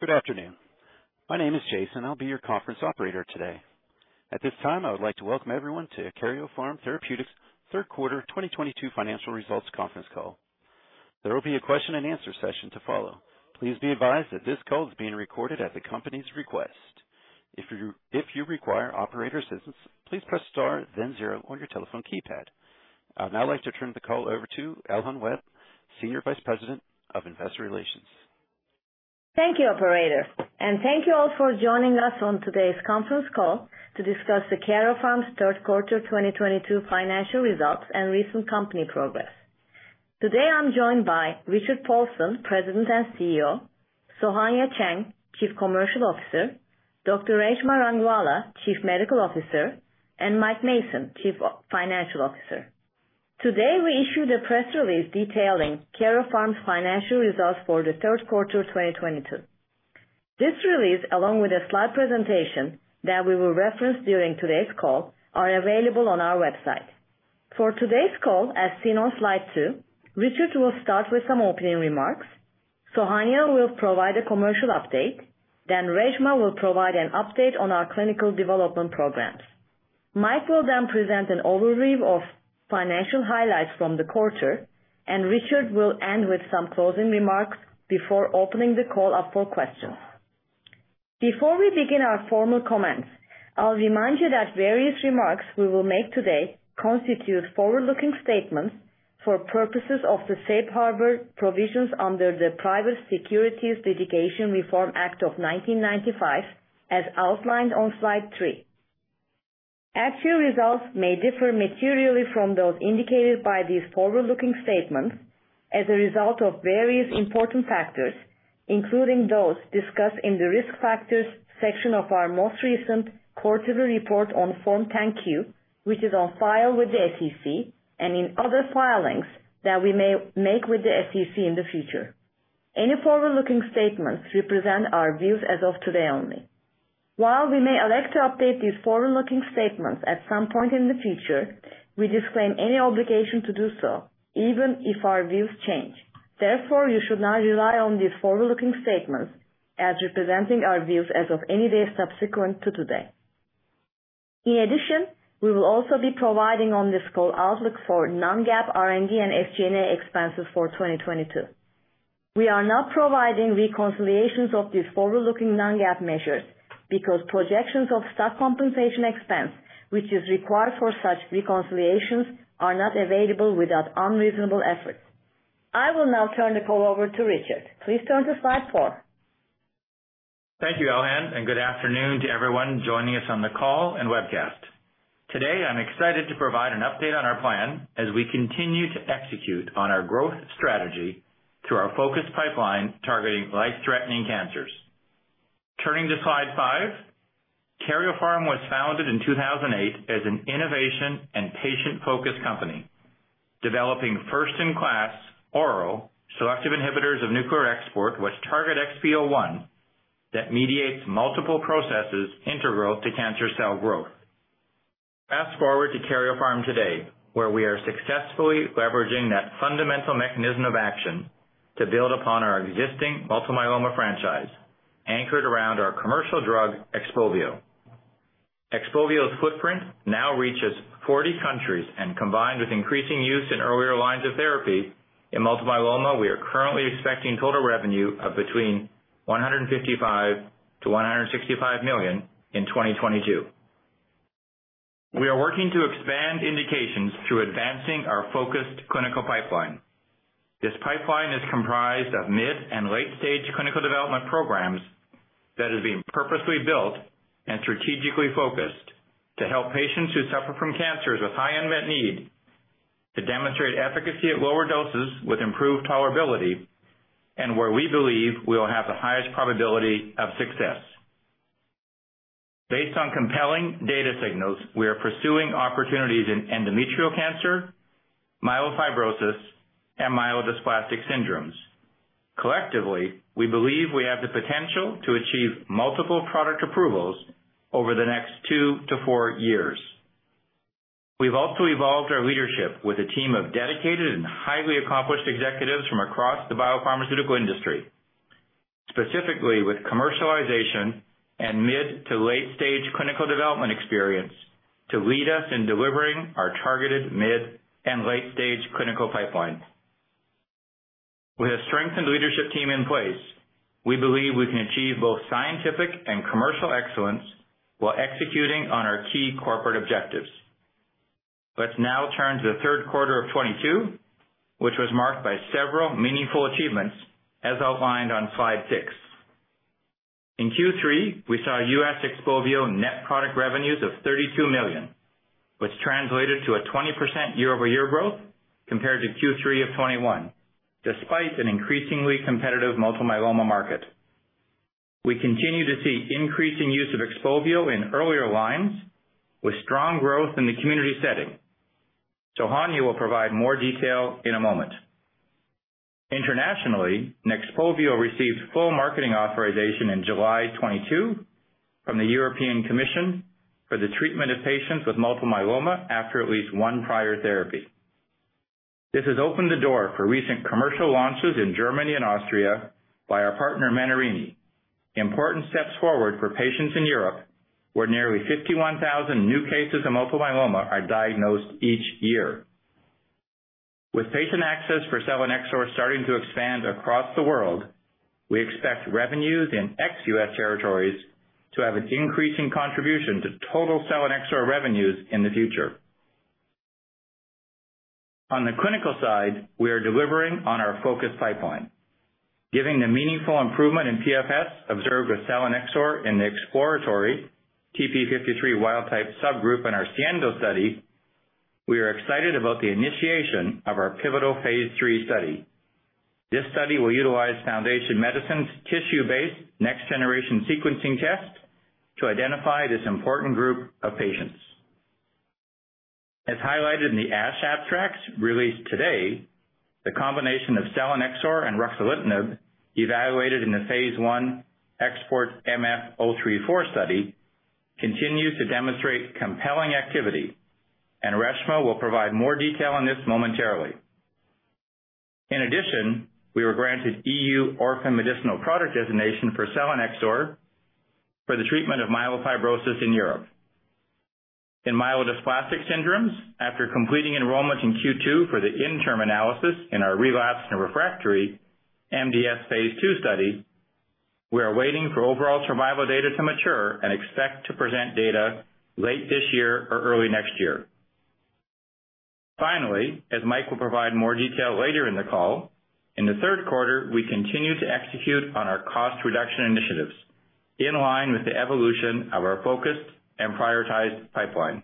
Good afternoon. My name is Jason. I'll be your conference operator today. At this time, I would like to welcome everyone to Karyopharm Therapeutics' third quarter 2022 financial results conference call. There will be a question and answer session to follow. Please be advised that this call is being recorded at the company's request. If you require operator assistance, please press star then zero on your telephone keypad. I'd now like to turn the call over to Elhan Webb, Senior Vice President of Investor Relations. Thank you operator, and thank you all for joining us on today's conference call to discuss Karyopharm's third quarter 2022 financial results and recent company progress. Today I'm joined by Richard Paulson, President and CEO, Sohanya Cheng, Chief Commercial Officer, Dr. Reshma Rangwala, Chief Medical Officer, and Mike Mason, Chief Financial Officer. Today, we issued a press release detailing Karyopharm's financial results for the third quarter 2022. This release, along with a slide presentation that we will reference during today's call, are available on our website. For today's call, as seen on slide 2, Richard will start with some opening remarks, Sohanya will provide a commercial update, then Reshma will provide an update on our clinical development programs. Mike will then present an overview of financial highlights from the quarter, and Richard will end with some closing remarks before opening the call up for questions. Before we begin our formal comments, I'll remind you that various remarks we will make today constitute forward-looking statements for purposes of the safe harbor provisions under the Private Securities Litigation Reform Act of 1995, as outlined on slide 3. Actual results may differ materially from those indicated by these forward-looking statements as a result of various important factors, including those discussed in the Risk Factors section of our most recent quarterly report on Form 10-Q, which is on file with the SEC, and in other filings that we may make with the SEC in the future. Any forward-looking statements represent our views as of today only. While we may elect to update these forward-looking statements at some point in the future, we disclaim any obligation to do so, even if our views change. Therefore, you should not rely on these forward-looking statements as representing our views as of any day subsequent to today. In addition, we will also be providing on this call outlook for non-GAAP, R&D, and SG&A expenses for 2022. We are not providing reconciliations of these forward-looking non-GAAP measures because projections of stock compensation expense, which is required for such reconciliations, are not available without unreasonable efforts. I will now turn the call over to Richard Paulson. Please turn to slide 4. Thank you, Elhan, and good afternoon to everyone joining us on the call and webcast. Today, I'm excited to provide an update on our plan as we continue to execute on our growth strategy through our focused pipeline targeting life-threatening cancers. Turning to slide 5. Karyopharm was founded in 2008 as an innovation and patient-focused company, developing first-in-class oral selective inhibitors of nuclear export with target XPO1 that mediates multiple processes integral to cancer cell growth. Fast-forward to Karyopharm today, where we are successfully leveraging that fundamental mechanism of action to build upon our existing multiple myeloma franchise, anchored around our commercial drug, XPOVIO. XPOVIO's footprint now reaches 40 countries, and combined with increasing use in earlier lines of therapy in multiple myeloma, we are currently expecting total revenue of between $155 million to $165 million in 2022. We are working to expand indications through advancing our focused clinical pipeline. This pipeline is comprised of mid and late-stage clinical development programs that have been purposely built and strategically focused to help patients who suffer from cancers with high unmet need, to demonstrate efficacy at lower doses with improved tolerability, and where we believe we will have the highest probability of success. Based on compelling data signals, we are pursuing opportunities in endometrial cancer, myelofibrosis, and myelodysplastic syndromes. Collectively, we believe we have the potential to achieve multiple product approvals over the next 2-4 years. We've also evolved our leadership with a team of dedicated and highly accomplished executives from across the biopharmaceutical industry, specifically with commercialization and mid to late-stage clinical development experience to lead us in delivering our targeted mid and late-stage clinical pipeline. With a strengthened leadership team in place, we believe we can achieve both scientific and commercial excellence while executing on our key corporate objectives. Let's now turn to the third quarter of 2022, which was marked by several meaningful achievements, as outlined on slide 6. In Q3, we saw US XPOVIO net product revenues of $32 million, which translated to a 20% year-over-year growth compared to Q3 of 2021, despite an increasingly competitive multiple myeloma market. We continue to see increasing use of XPOVIO in earlier lines with strong growth in the community setting. Sohanya will provide more detail in a moment. Internationally, XPOVIO received full marketing authorization in July 2022 from the European Commission for the treatment of patients with multiple myeloma after at least one prior therapy. This has opened the door for recent commercial launches in Germany and Austria by our partner Menarini. Important steps forward for patients in Europe, where nearly 51,000 new cases of multiple myeloma are diagnosed each year. With patient access for selinexor starting to expand across the world, we expect revenues in ex-US territories to have an increasing contribution to total selinexor revenues in the future. On the clinical side, we are delivering on our focused pipeline. Given the meaningful improvement in PFS observed with selinexor in the exploratory TP53 wild-type subgroup in our SIENDO study, we are excited about the initiation of our pivotal phase III study. This study will utilize Foundation Medicine's tissue-based Next Generation Sequencing test to identify this important group of patients. As highlighted in the ASH abstracts released today, the combination of selinexor and ruxolitinib, evaluated in the phase I XPORT-MF-034 study, continue to demonstrate compelling activity, and Reshma will provide more detail on this momentarily. In addition, we were granted EU Orphan Medicinal Product Designation for selinexor for the treatment of myelofibrosis in Europe. In myelodysplastic syndromes, after completing enrollment in Q2 for the interim analysis in our relapsed and refractory MDS phase II study, we are waiting for overall survival data to mature and expect to present data late this year or early next year. Finally, as Mike will provide more detail later in the call, in the third quarter, we continued to execute on our cost reduction initiatives, in line with the evolution of our focused and prioritized pipeline.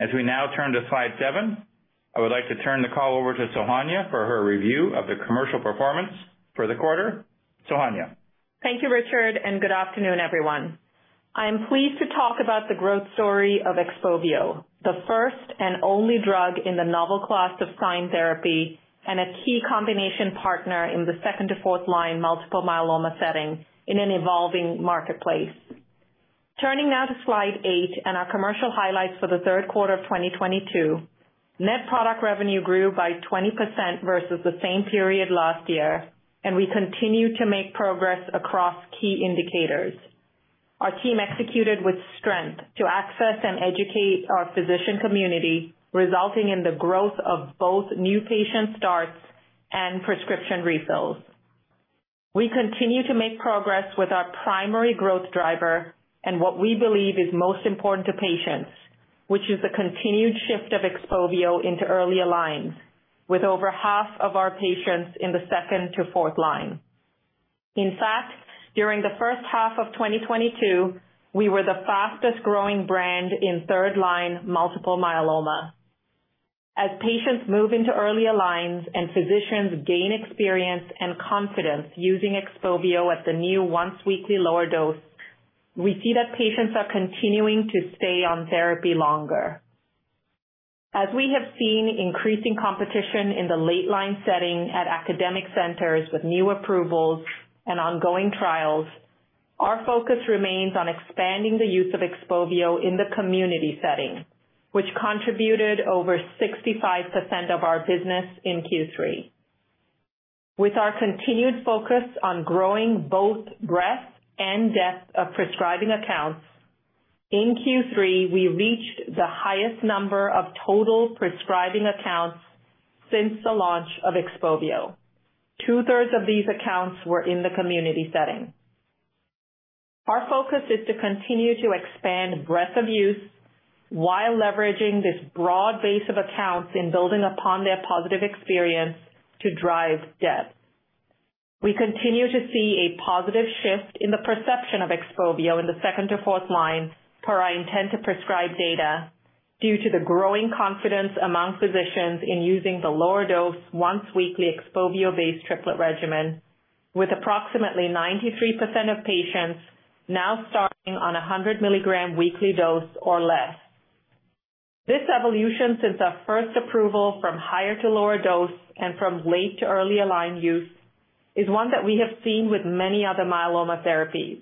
As we now turn to slide 7, I would like to turn the call over to Sohanya for her review of the commercial performance for the quarter. Sohanya. Thank you, Richard, and good afternoon, everyone. I am pleased to talk about the growth story of XPOVIO, the first and only drug in the novel class of SINE therapy and a key combination partner in the second to fourth line multiple myeloma setting in an evolving marketplace. Turning now to slide 8 and our commercial highlights for the third quarter of 2022. Net product revenue grew by 20% versus the same period last year, and we continue to make progress across key indicators. Our team executed with strength to access and educate our physician community, resulting in the growth of both new patient starts and prescription refills. We continue to make progress with our primary growth driver and what we believe is most important to patients, which is the continued shift of XPOVIO into earlier lines, with over half of our patients in the second to fourth line. In fact, during the first half of 2022, we were the fastest growing brand in third-line multiple myeloma. As patients move into earlier lines and physicians gain experience and confidence using XPOVIO at the new once-weekly lower dose, we see that patients are continuing to stay on therapy longer. As we have seen increasing competition in the late line setting at academic centers with new approvals and ongoing trials, our focus remains on expanding the use of XPOVIO in the community setting, which contributed over 65% of our business in Q3. With our continued focus on growing both breadth and depth of prescribing accounts, in Q3, we reached the highest number of total prescribing accounts since the launch of XPOVIO. Two-thirds of these accounts were in the community setting. Our focus is to continue to expand breadth of use while leveraging this broad base of accounts in building upon their positive experience to drive depth. We continue to see a positive shift in the perception of XPOVIO in the second to fourth line per our intent to prescribe data due to the growing confidence among physicians in using the lower dose once-weekly XPOVIO-based triplet regimen, with approximately 93% of patients now starting on a 100 mg weekly dose or less. This evolution since our first approval from higher to lower dose and from late to early line use is one that we have seen with many other myeloma therapies.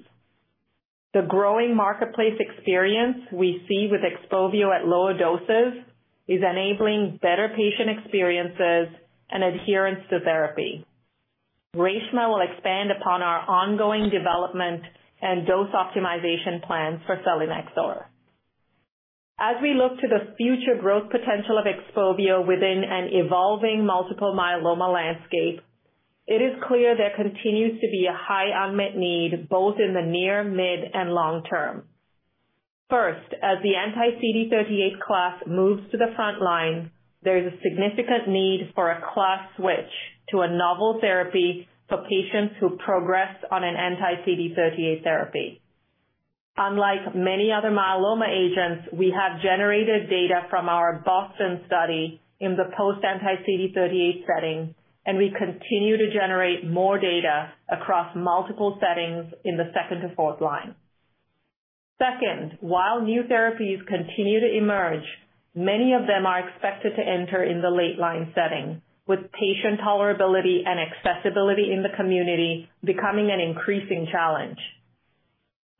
The growing marketplace experience we see with XPOVIO at lower doses is enabling better patient experiences and adherence to therapy. Reshma will expand upon our ongoing development and dose optimization plans for selinexor. As we look to the future growth potential of XPOVIO within an evolving multiple myeloma landscape, it is clear there continues to be a high unmet need, both in the near, mid, and long term. First, as the anti-CD38 class moves to the front line, there's a significant need for a class switch to a novel therapy for patients who progress on an anti-CD38 therapy. Unlike many other myeloma agents, we have generated data from our BOSTON study in the post anti-CD38 setting, and we continue to generate more data across multiple settings in the second to fourth line. Second, while new therapies continue to emerge, many of them are expected to enter in the late line setting, with patient tolerability and accessibility in the community becoming an increasing challenge.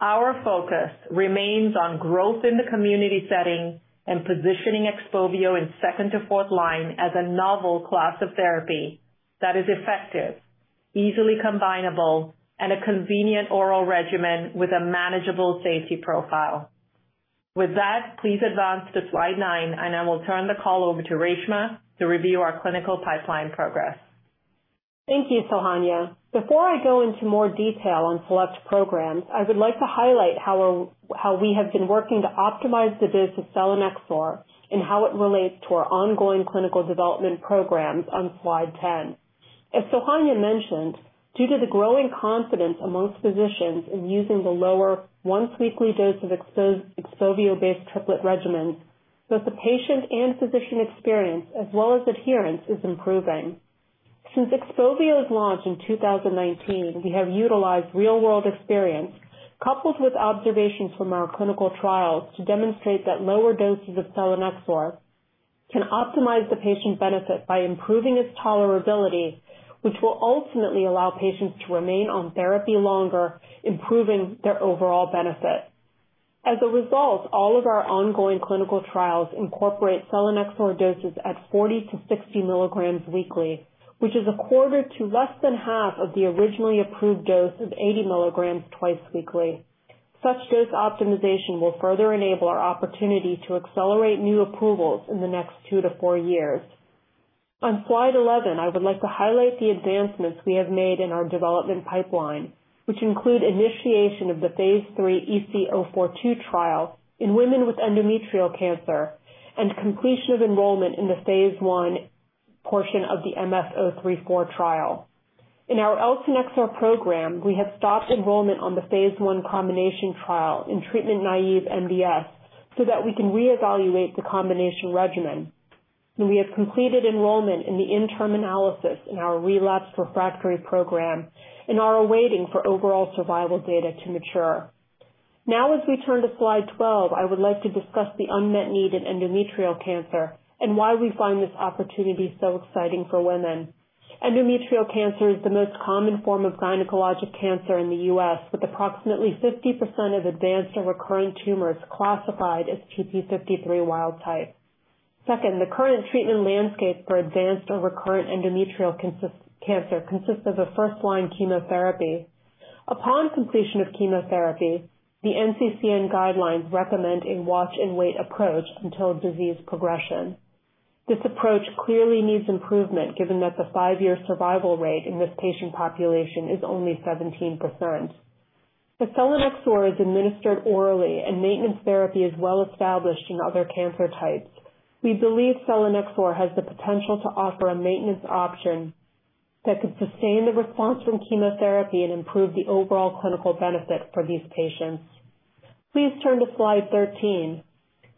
Our focus remains on growth in the community setting and positioning XPOVIO in second to fourth line as a novel class of therapy that is effective, easily combinable, and a convenient oral regimen with a manageable safety profile. With that, please advance to slide 9, and I will turn the call over to Reshma to review our clinical pipeline progress. Thank you, Sohanya. Before I go into more detail on select programs, I would like to highlight how we have been working to optimize the dose of selinexor and how it relates to our ongoing clinical development programs on slide 10. As Sohanya mentioned, due to the growing confidence among physicians in using the lower once weekly dose of XPOVIO-based triplet regimens, both the patient and physician experience as well as adherence is improving. Since XPOVIO's launch in 2019, we have utilized real-world experience coupled with observations from our clinical trials to demonstrate that lower doses of selinexor can optimize the patient benefit by improving its tolerability, which will ultimately allow patients to remain on therapy longer, improving their overall benefit. As a result, all of our ongoing clinical trials incorporate selinexor doses at 40-60 mg weekly, which is a quarter to less than half of the originally approved dose of 80 mg twice weekly. Such dose optimization will further enable our opportunity to accelerate new approvals in the next 2-4 years. On slide 11, I would like to highlight the advancements we have made in our development pipeline, which include initiation of the phase III EC-042 trial in women with endometrial cancer and completion of enrollment in the phase I portion of the MF034 trial. In our eltanexor program, we have stopped enrollment on the phase I combination trial in treatment-naive MDS so that we can reevaluate the combination regimen. We have completed enrollment in the interim analysis in our relapsed refractory program and are awaiting for overall survival data to mature. Now as we turn to slide 12, I would like to discuss the unmet need in endometrial cancer and why we find this opportunity so exciting for women. Endometrial cancer is the most common form of gynecologic cancer in the U.S., with approximately 50% of advanced and recurrent tumors classified as TP53 wild-type. Second, the current treatment landscape for advanced or recurrent endometrial cancer consists of a first-line chemotherapy. Upon completion of chemotherapy, the NCCN guidelines recommend a watch-and-wait approach until disease progression. This approach clearly needs improvement, given that the five-year survival rate in this patient population is only 17%. If selinexor is administered orally and maintenance therapy is well established in other cancer types, we believe selinexor has the potential to offer a maintenance option that could sustain the response from chemotherapy and improve the overall clinical benefit for these patients. Please turn to slide 13.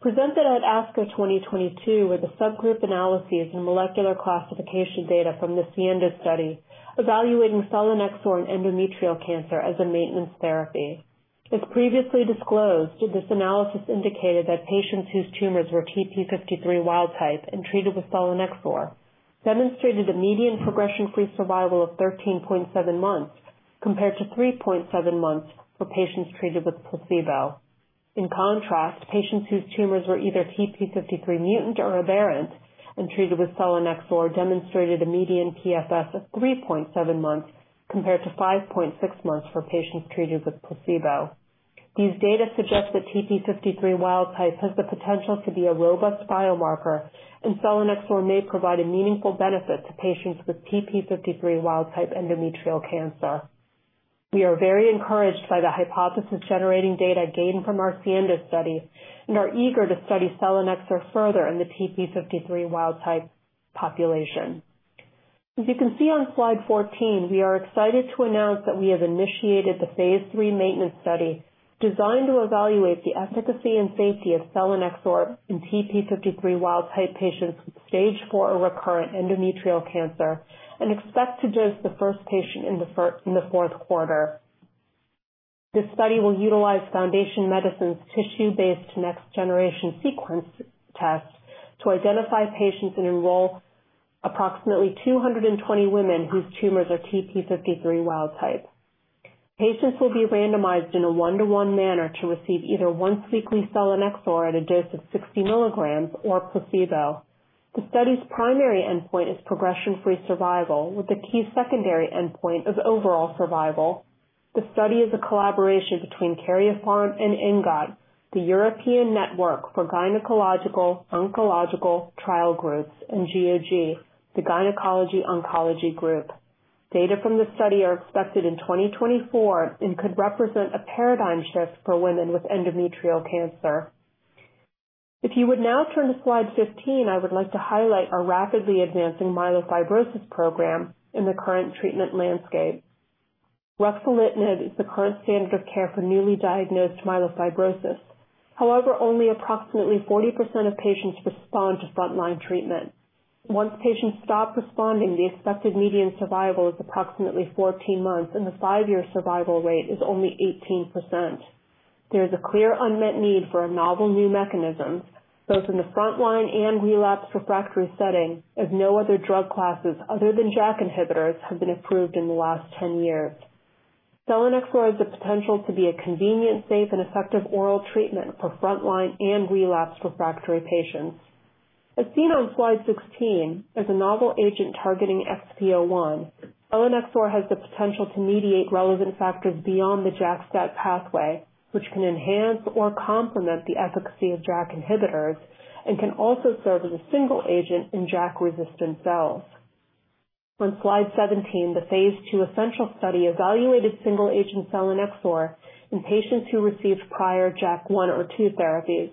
Presented at ASCO 2022 with the subgroup analyses and molecular classification data from the SIENDO study evaluating selinexor in endometrial cancer as a maintenance therapy. As previously disclosed, this analysis indicated that patients whose tumors were TP53 wild-type and treated with selinexor demonstrated a median progression-free survival of 13.7 months compared to 3.7 months for patients treated with placebo. In contrast, patients whose tumors were either TP53 mutant or aberrant and treated with selinexor demonstrated a median PFS of 3.7 months compared to 5.6 months for patients treated with placebo. These data suggest that TP53 wild-type has the potential to be a robust biomarker, and selinexor may provide a meaningful benefit to patients with TP53 wild-type endometrial cancer. We are very encouraged by the hypothesis-generating data gained from our SIENDO study and are eager to study selinexor further in the TP53 wild-type population. As you can see on slide 14, we are excited to announce that we have initiated the phase III maintenance study designed to evaluate the efficacy and safety of selinexor in TP53 wild-type patients with stage 4 or recurrent endometrial cancer and expect to dose the first patient in the fourth quarter. This study will utilize Foundation Medicine's tissue-based next generation sequencing tests to identify patients and enroll approximately 220 women whose tumors are TP53 wild-type. Patients will be randomized in a 1:1 manner to receive either once-weekly selinexor at a dose of 60 mg or placebo. The study's primary endpoint is progression-free survival, with the key secondary endpoint of overall survival. The study is a collaboration between Karyopharm and ENGOT, the European Network for Gynecological Oncological Trial groups, and GOG, the Gynecologic Oncology Group. Data from this study are expected in 2024 and could represent a paradigm shift for women with endometrial cancer. If you would now turn to slide 15, I would like to highlight our rapidly advancing myelofibrosis program in the current treatment landscape. Ruxolitinib is the current standard of care for newly diagnosed myelofibrosis. However, only approximately 40% of patients respond to frontline treatment. Once patients stop responding, the expected median survival is approximately 14 months, and the 5-year survival rate is only 18%. There is a clear unmet need for a novel new mechanism, both in the front line and relapse refractory setting, as no other drug classes other than JAK inhibitors have been approved in the last 10 years. Selinexor has the potential to be a convenient, safe, and effective oral treatment for front line and relapse refractory patients. As seen on slide 16, as a novel agent targeting XPO1, selinexor has the potential to mediate relevant factors beyond the JAK-STAT pathway, which can enhance or complement the efficacy of JAK inhibitors and can also serve as a single agent in JAK-resistant cells. On slide 17, the phase II ESSENTIAL study evaluated single agent selinexor in patients who received prior JAK1/2 therapies.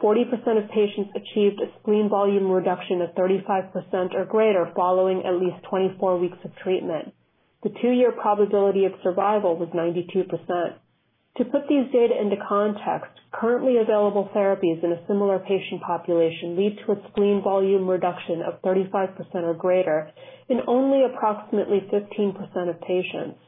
40% of patients achieved a spleen volume reduction of 35% or greater following at least 24 weeks of treatment. The 2-year probability of survival was 92%. To put these data into context, currently available therapies in a similar patient population lead to a spleen volume reduction of 35% or greater in only approximately 15% of patients.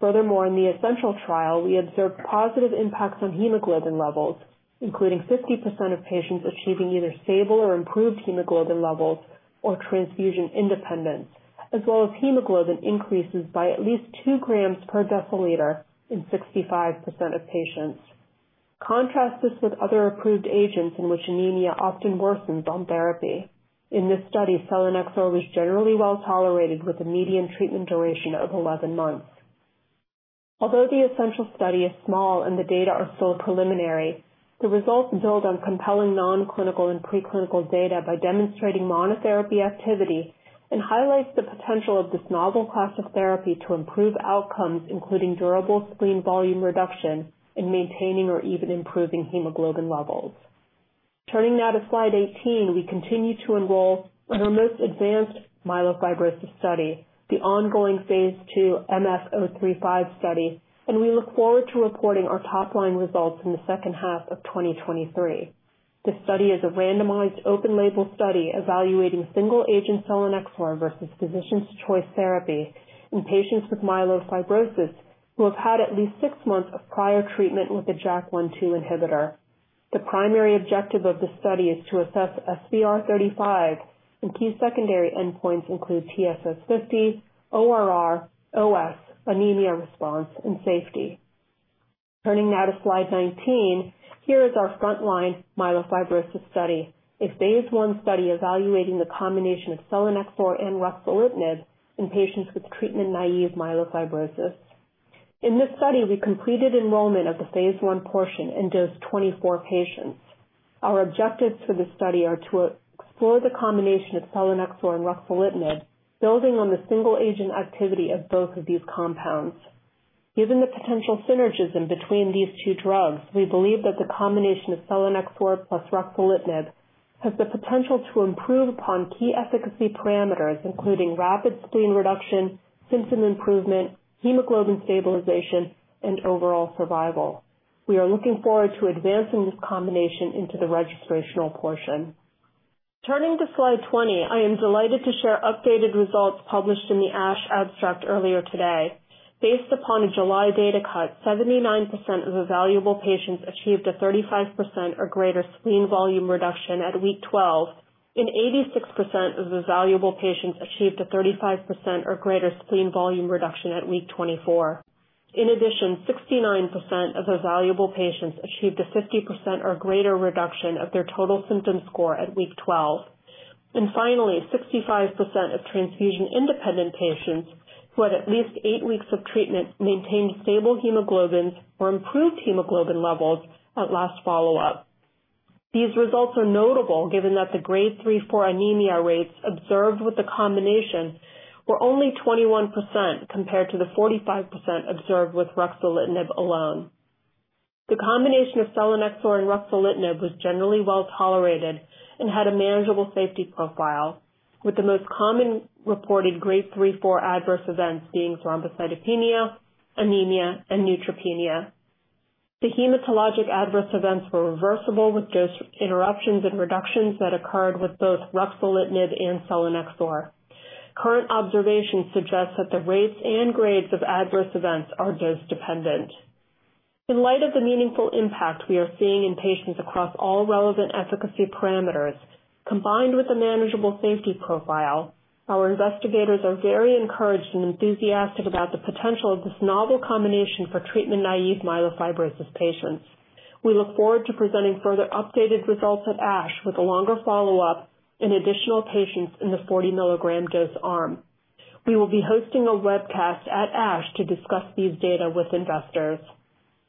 Furthermore, in the ESSENTIAL trial, we observed positive impacts on hemoglobin levels, including 50% of patients achieving either stable or improved hemoglobin levels or transfusion independence, as well as hemoglobin increases by at least 2 grams per deciliter in 65% of patients. Contrast this with other approved agents in which anemia often worsens on therapy. In this study, selinexor was generally well tolerated with a median treatment duration of 11 months. Although the ESSENTIAL study is small and the data are still preliminary, the results build on compelling non-clinical and pre-clinical data by demonstrating monotherapy activity and highlights the potential of this novel class of therapy to improve outcomes, including durable spleen volume reduction and maintaining or even improving hemoglobin levels. Turning now to slide 18, we continue to enroll in our most advanced myelofibrosis study, the ongoing phase II MF-035 study, and we look forward to reporting our top-line results in the second half of 2023. This study is a randomized open-label study evaluating single-agent selinexor versus physician's choice therapy in patients with myelofibrosis who have had at least 6 months of prior treatment with a JAK 1/2 inhibitor. The primary objective of the study is to assess SVR35, and key secondary endpoints include TSS50, ORR, OS, anemia response and safety. Turning now to slide 19, here is our frontline myelofibrosis study, a phase I study evaluating the combination of selinexor and ruxolitinib in patients with treatment-naive myelofibrosis. In this study, we completed enrollment of the phase I portion in 24 patients. Our objectives for this study are to explore the combination of selinexor and ruxolitinib, building on the single agent activity of both of these compounds. Given the potential synergism between these two drugs, we believe that the combination of selinexor plus ruxolitinib has the potential to improve upon key efficacy parameters, including rapid spleen reduction, symptom improvement, hemoglobin stabilization, and overall survival. We are looking forward to advancing this combination into the registrational portion. Turning to slide 20, I am delighted to share updated results published in the ASH abstract earlier today. Based upon a July data cut, 79% of evaluable patients achieved a 35% or greater spleen volume reduction at week 12, and 86% of evaluable patients achieved a 35% or greater spleen volume reduction at week 24. In addition, 69% of evaluable patients achieved a 50% or greater reduction of their total symptom score at week 12. Finally, 65% of transfusion-independent patients who had at least eight weeks of treatment maintained stable hemoglobins or improved hemoglobin levels at last follow-up. These results are notable given that the grade 3/4 anemia rates observed with the combination were only 21% compared to the 45% observed with ruxolitinib alone. The combination of selinexor and ruxolitinib was generally well tolerated and had a manageable safety profile, with the most common reported grade 3/4 adverse events being thrombocytopenia, anemia, and neutropenia. The hematologic adverse events were reversible with dose interruptions and reductions that occurred with both ruxolitinib and selinexor. Current observations suggest that the rates and grades of adverse events are dose dependent. In light of the meaningful impact we are seeing in patients across all relevant efficacy parameters, combined with a manageable safety profile, our investigators are very encouraged and enthusiastic about the potential of this novel combination for treatment-naive myelofibrosis patients. We look forward to presenting further updated results at ASH with a longer follow-up in additional patients in the 40 mg dose arm. We will be hosting a webcast at ASH to discuss these data with investors.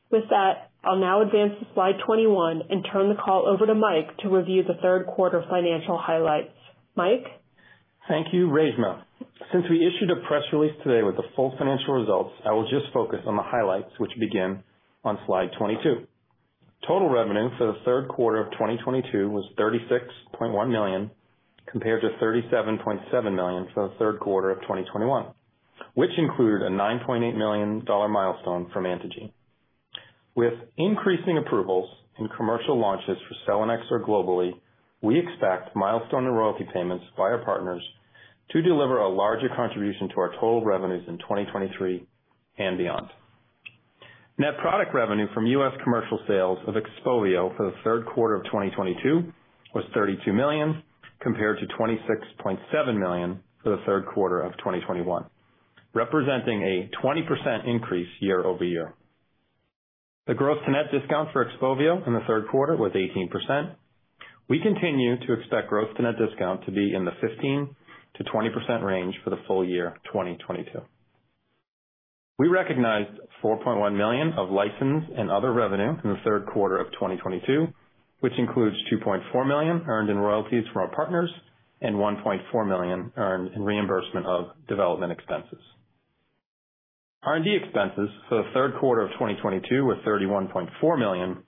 With that, I'll now advance to slide 21 and turn the call over to Mike to review the third quarter financial highlights. Mike? Thank you, Reshma. Since we issued a press release today with the full financial results, I will just focus on the highlights which begin on slide 22. Total revenue for the third quarter of 2022 was $36.1 million, compared to $37.7 million for the third quarter of 2021, which include a $9.8 million milestone from Antengene. With increasing approvals and commercial launches for selinexor globally, we expect milestone and royalty payments by our partners to deliver a larger contribution to our total revenues in 2023 and beyond. Net product revenue from U.S. commercial sales of XPOVIO for the third quarter of 2022 was $32 million, compared to $26.7 million for the third quarter of 2021, representing a 20% increase year-over-year. The gross to net discount for XPOVIO in the third quarter was 18%. We continue to expect gross to net discount to be in the 15%-20% range for the full year 2022. We recognized $4.1 million of license and other revenue in the third quarter of 2022, which includes $2.4 million earned in royalties from our partners and $1.4 million earned in reimbursement of development expenses. R&D expenses for the third quarter of 2022 were $31.4 million,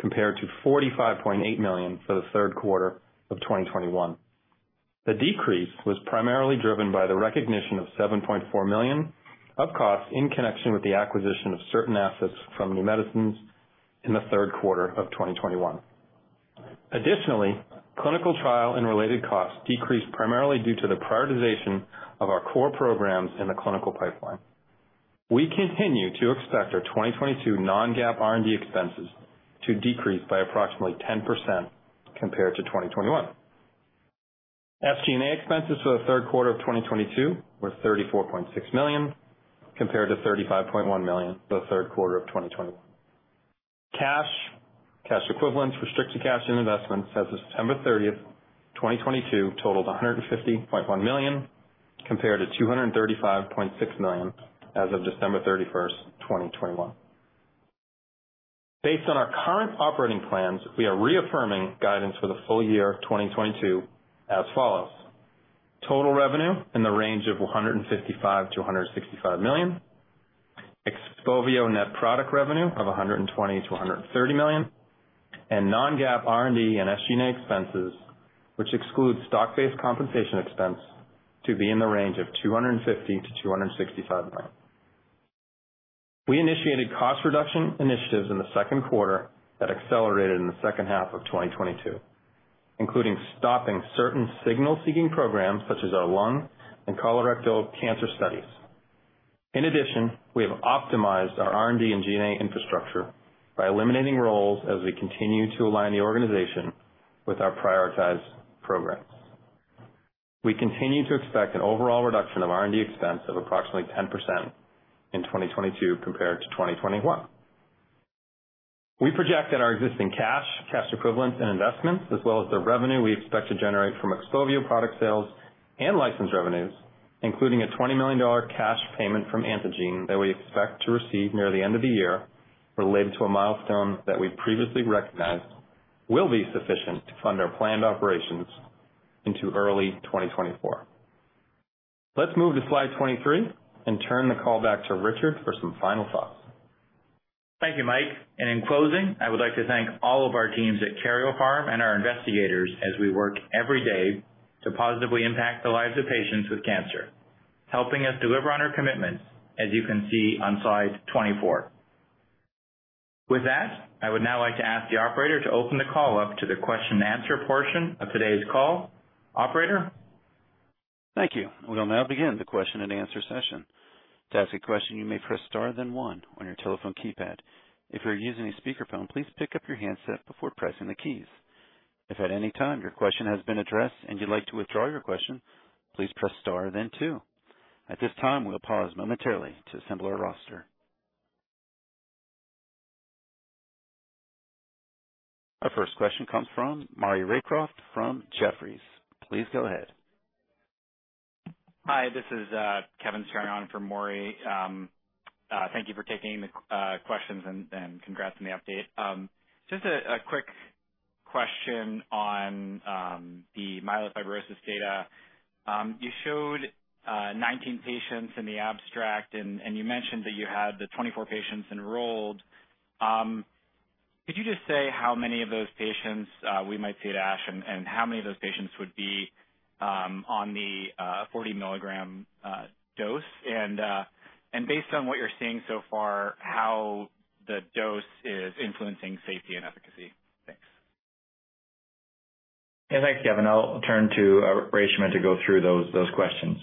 compared to $45.8 million for the third quarter of 2021. The decrease was primarily driven by the recognition of $7.4 million of costs in connection with the acquisition of certain assets from Neumedicines in the third quarter of 2021. Clinical trial and related costs decreased primarily due to the prioritization of our core programs in the clinical pipeline. We continue to expect our 2022 non-GAAP R&D expenses to decrease by approximately 10% compared to 2021. SG&A expenses for the third quarter of 2022 were $34.6 million, compared to $35.1 million for the third quarter of 2020. Cash, cash equivalents, restricted cash and investments as of September 30, 2022 totaled $150.1 million, compared to $235.6 million as of December 31, 2021. Based on our current operating plans, we are reaffirming guidance for the full year of 2022 as follows. Total revenue in the range of $155 million-$165 million. XPOVIO net product revenue of $120 million-$130 million. Non-GAAP R&D and SG&A expenses, which excludes stock-based compensation expense, to be in the range of $250 million-$265 million. We initiated cost reduction initiatives in the second quarter that accelerated in the second half of 2022, including stopping certain signal seeking programs such as our lung and colorectal cancer studies. In addition, we have optimized our R&D and G&A infrastructure by eliminating roles as we continue to align the organization with our prioritized programs. We continue to expect an overall reduction of R&D expense of approximately 10% in 2022 compared to 2021. We project that our existing cash equivalents, and investments, as well as the revenue we expect to generate from XPOVIO product sales and license revenues, including a $20 million cash payment from Antengene that we expect to receive near the end of the year related to a milestone that we previously recognized, will be sufficient to fund our planned operations into early 2024. Let's move to slide 23 and turn the call back to Richard for some final thoughts. Thank you, Mike. In closing, I would like to thank all of our teams at Karyopharm and our investigators as we work every day to positively impact the lives of patients with cancer, helping us deliver on our commitments, as you can see on slide 24. With that, I would now like to ask the operator to open the call up to the question-and-answer portion of today's call. Operator? Thank you. We'll now begin the question-and-answer session. To ask a question, you may press star then one on your telephone keypad. If you're using a speakerphone, please pick up your handset before pressing the keys. If at any time your question has been addressed and you'd like to withdraw your question, please press star then two. At this time, we'll pause momentarily to assemble our roster. Our first question comes from Maury Raycroft from Jefferies. Please go ahead. Hi, this is Kevin turning on for Maury. Thank you for taking the questions and congrats on the update. Just a quick question on the myelofibrosis data. You showed 19 patients in the abstract and you mentioned that you had the 24 patients enrolled. Could you just say how many of those patients we might see at ASH and how many of those patients would be on the 40 mg dose? Based on what you're seeing so far, how the dose is influencing safety and efficacy? Thanks. Yeah, thanks, Kevin. I'll turn to Reshma to go through those questions.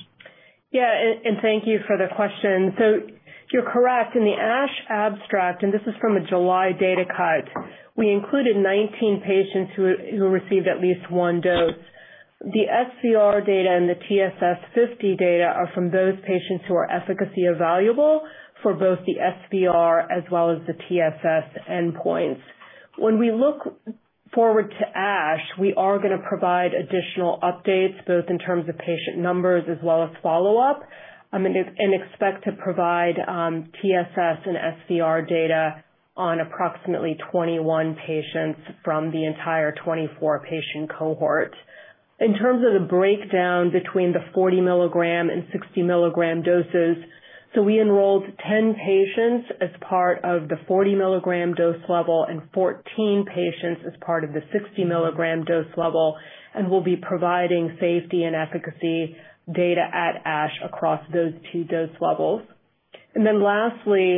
Yeah, thank you for the question. You're correct, in the ASH abstract, and this is from a July data cut, we included 19 patients who received at least one dose. The SVR data and the TSS50 data are from those patients who are efficacy evaluable for both the SVR as well as the TSS endpoints. When we look forward to ASH, we are gonna provide additional updates, both in terms of patient numbers as well as follow-up, and expect to provide TSS and SVR data on approximately 21 patients from the entire 24 patient cohort. In terms of the breakdown between the 40 mg and 60 mg doses, we enrolled 10 patients as part of the 40 mg dose level and 14 patients as part of the 60 mg dose level, and we'll be providing safety and efficacy data at ASH across those two dose levels. Then lastly,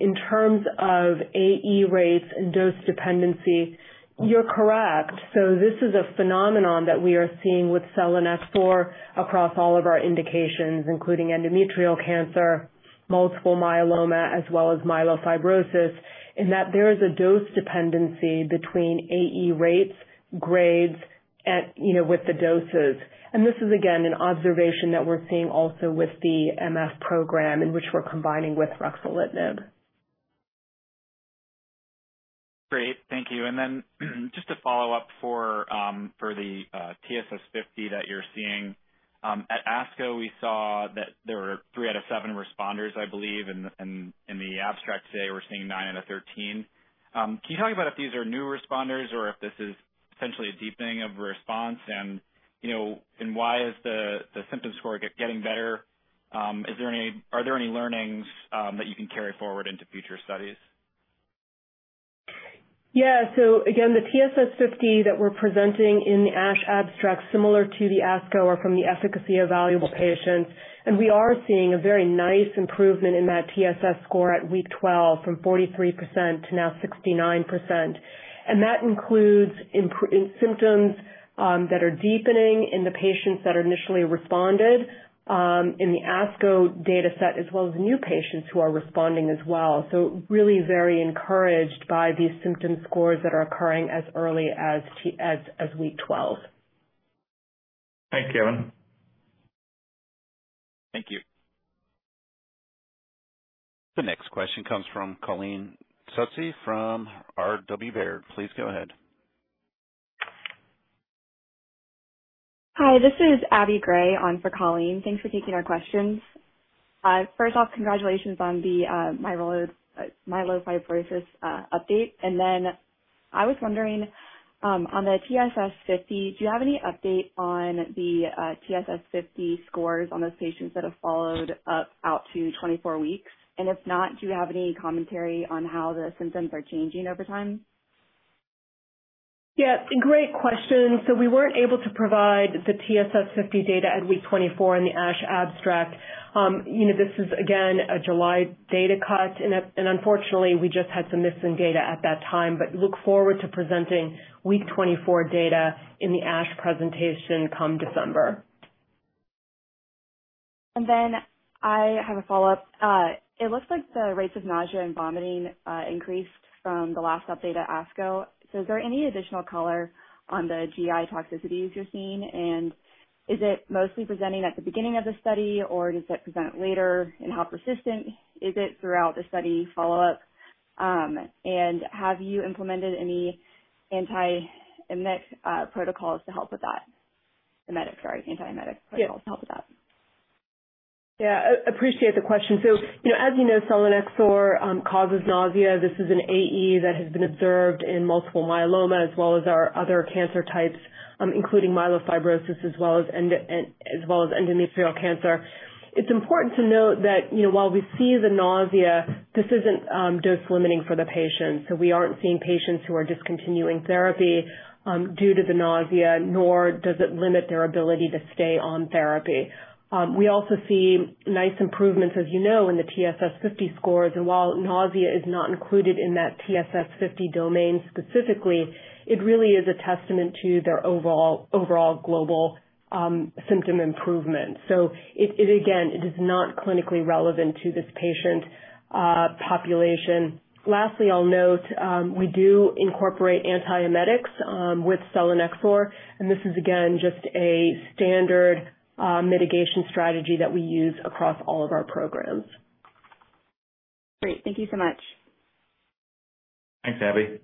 in terms of AE rates and dose dependency, you're correct. This is a phenomenon that we are seeing with selinexor across all of our indications, including endometrial cancer, multiple myeloma, as well as myelofibrosis, in that there is a dose dependency between AE rates, grades, and, you know, with the doses. This is again an observation that we're seeing also with the MF program in which we're combining with ruxolitinib. Great. Thank you. Just to follow up for the TSS50 that you're seeing. At ASCO, we saw that there were 3 out of 7 responders, I believe, in the abstract. Today, we're seeing 9 out of 13. Can you talk about if these are new responders or if this is essentially a deepening of response? Why is the symptom score getting better? Are there any learnings that you can carry forward into future studies? Again, the TSS50 that we're presenting in the ASH abstract, similar to the ASCO, are from the efficacy evaluable patients, and we are seeing a very nice improvement in that TSS score at week 12 from 43% to now 69%. That includes symptoms that are deepening in the patients that initially responded in the ASCO dataset, as well as new patients who are responding as well. Really very encouraged by these symptom scores that are occurring as early as week 12. Thanks, Kevin. Thank you. The next question comes from Colleen Kusy from Robert W. Baird. Please go ahead. Hi, this is Abby Gray on for Colleen. Thanks for taking our questions. First off, congratulations on the myelofibrosis update. Then I was wondering, on the TSS50, do you have any update on the TSS50 scores on those patients that have followed up out to 24 weeks? If not, do you have any commentary on how the symptoms are changing over time? Yeah, great question. We weren't able to provide the TSS50 data at week 24 in the ASH abstract. You know, this is again a July data cut and unfortunately, we just had some missing data at that time. Look forward to presenting week 24 data in the ASH presentation come December. I have a follow-up. It looks like the rates of nausea and vomiting increased from the last update at ASCO. Is there any additional color on the GI toxicities you're seeing? Is it mostly presenting at the beginning of the study, or does it present later? How persistent is it throughout the study follow-up? Have you implemented any antiemetic protocols to help with that? Yeah, appreciate the question. So, you know, as you know, selinexor causes nausea. This is an AE that has been observed in multiple myeloma as well as our other cancer types, including myelofibrosis, as well as endometrial cancer. It's important to note that, you know, while we see the nausea, this isn't dose limiting for the patient, so we aren't seeing patients who are discontinuing therapy due to the nausea, nor does it limit their ability to stay on therapy. We also see nice improvements, as you know, in the TSS50 scores. While nausea is not included in that TSS50 domain specifically, it really is a testament to their overall global symptom improvement. It again is not clinically relevant to this patient population. Lastly, I'll note, we do incorporate antiemetics with Selinexor, and this is again just a standard mitigation strategy that we use across all of our programs. Great. Thank you so much. Thanks, Abby.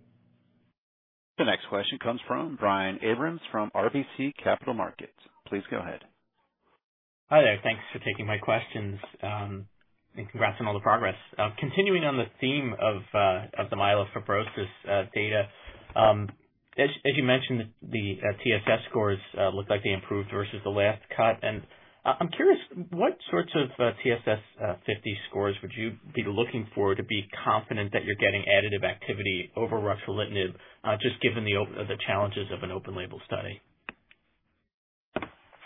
The next question comes from Brian Abrahams from RBC Capital Markets. Please go ahead. Hi there. Thanks for taking my questions, and congrats on all the progress. Continuing on the theme of the myelofibrosis data. As you mentioned, the TSS scores looked like they improved versus the last cut. I'm curious, what sorts of TSS50 scores would you be looking for to be confident that you're getting additive activity over ruxolitinib, just given the challenges of an open label study?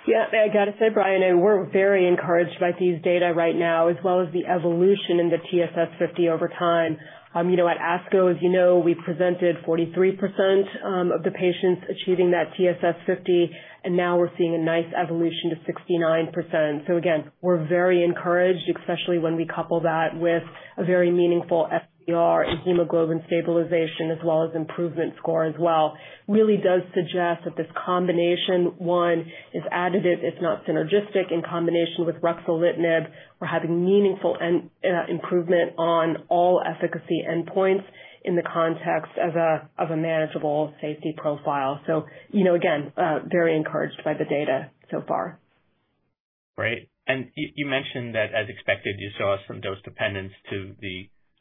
Yeah, I gotta say, Brian, we're very encouraged by these data right now as well as the evolution in the TSS50 over time. You know, at ASCO, as you know, we presented 43% of the patients achieving that TSS50, and now we're seeing a nice evolution to 69%. We're very encouraged, especially when we couple that with a very meaningful SVR and hemoglobin stabilization as well as improvement score as well. Really does suggest that this combination is additive, it's not synergistic in combination with ruxolitinib. We're having meaningful endpoint improvement on all efficacy endpoints in the context of a manageable safety profile. You know, again, very encouraged by the data so far. Great. You mentioned that as expected, you saw some dose dependence to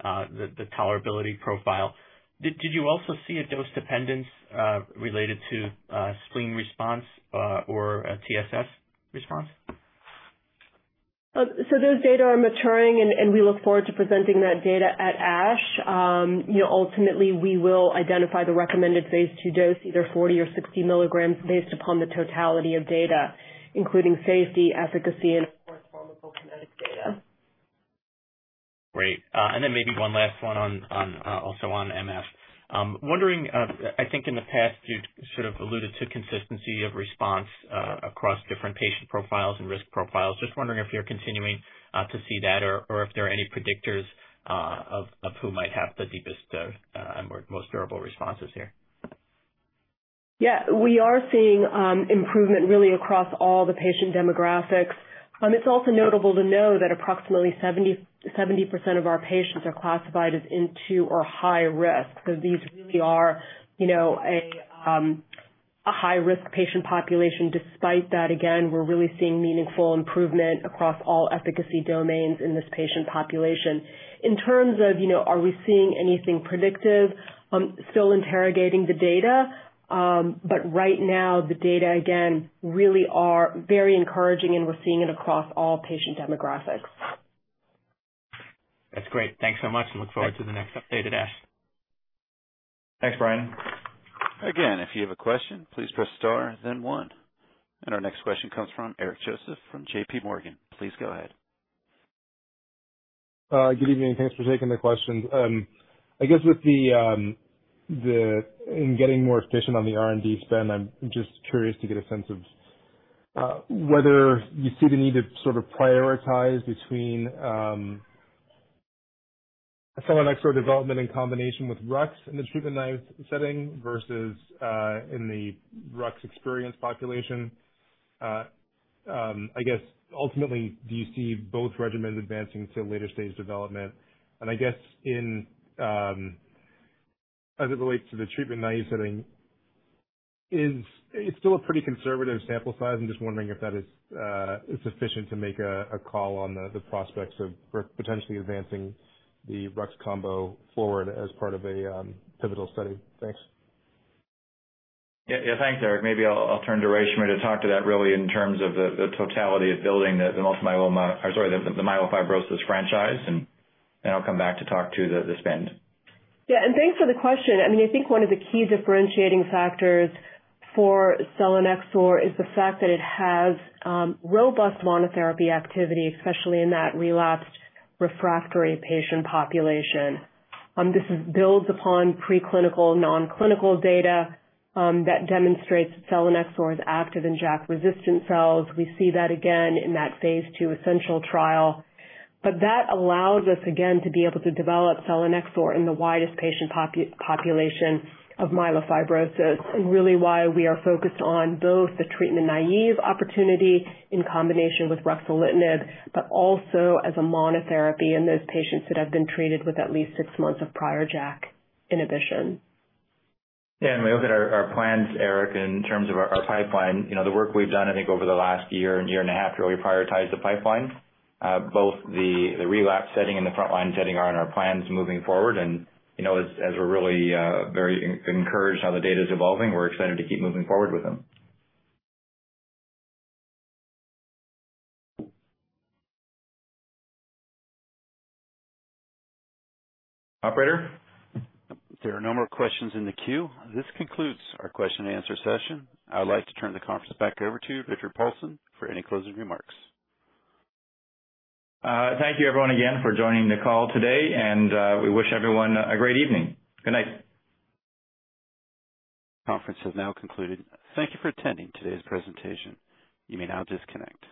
the tolerability profile. Did you also see a dose dependence related to spleen response or a TSS response? Those data are maturing and we look forward to presenting that data at ASH. You know, ultimately, we will identify the recommended phase II dose, either 40 mg or 60 mg, based upon the totality of data, including safety, efficacy and of course, pharmacokinetic data. Great. Then maybe one last one on also on MF. Wondering, I think in the past you sort of alluded to consistency of response across different patient profiles and risk profiles. Just wondering if you're continuing to see that or if there are any predictors of who might have the deepest or most durable responses here. Yeah, we are seeing improvement really across all the patient demographics. It's also notable to know that approximately 70% of our patients are classified as intermediate or high risk, so these really are, you know, a high-risk patient population. Despite that, again, we're really seeing meaningful improvement across all efficacy domains in this patient population. In terms of, you know, are we seeing anything predictive, I'm still interrogating the data. But right now, the data, again, really are very encouraging, and we're seeing it across all patient demographics. That's great. Thanks so much, and look forward to the next EBITDA. Thanks, Brian. Again, if you have a question, please press star then one. Our next question comes from Eric Joseph from JPMorgan. Please go ahead. Good evening, and thanks for taking the questions. I guess in getting more efficient on the R&D spend, I'm just curious to get a sense of whether you see the need to sort of prioritize between selinexor development in combination with Rux in the treatment-naive setting versus in the Rux-experienced population. I guess ultimately, do you see both regimens advancing to later-stage development? I guess as it relates to the treatment-naive setting, is it still a pretty conservative sample size? I'm just wondering if that is sufficient to make a call on the prospects of potentially advancing the Rux combo forward as part of a pivotal study. Thanks. Yeah. Thanks, Eric. Maybe I'll turn to Reshma to talk to that really in terms of the totality of building the myelofibrosis franchise, and I'll come back to talk to the spend. Yeah, thanks for the question. I mean, I think one of the key differentiating factors for selinexor is the fact that it has robust monotherapy activity, especially in that relapsed refractory patient population. This builds upon preclinical, non-clinical data that demonstrates selinexor is active in JAK-resistant cells. We see that again in that phase II ESSENTIAL trial. That allows us, again, to be able to develop selinexor in the widest patient population of myelofibrosis, and really why we are focused on both the treatment-naive opportunity in combination with ruxolitinib, but also as a monotherapy in those patients that have been treated with at least six months of prior JAK inhibition. Yeah. We look at our plans, Eric, in terms of our pipeline, you know, the work we've done, I think, over the last year and a half to really prioritize the pipeline. Both the relapse setting and the frontline setting are in our plans moving forward. You know, as we're really very encouraged how the data's evolving, we're excited to keep moving forward with them. Operator? There are no more questions in the queue. This concludes our question and answer session. I'd like to turn the conference back over to Richard Paulson for any closing remarks. Thank you everyone again for joining the call today, and we wish everyone a great evening. Good night. Conference has now concluded. Thank you for attending today's presentation. You may now disconnect.